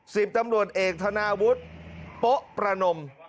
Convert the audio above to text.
สิบตำรวจเอกธนาวุฒิโป๊ะประนม